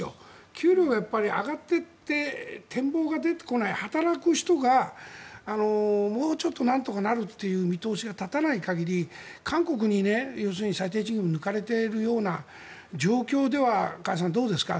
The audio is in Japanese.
給料がやっぱり上がってって展望が出てこない働く人がもうちょっとなんとかなるという見通しが立たない限り韓国に最低賃金も抜かれているような状況では加谷さんどうですか。